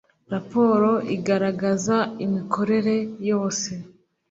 raporo igaragaza imikorere yose.